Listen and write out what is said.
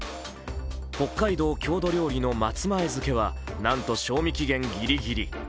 北海道・郷土料理の松前漬けはなんと賞味期限ぎりぎり。